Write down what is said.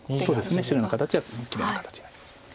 そうですね白の形はきれいな形になります。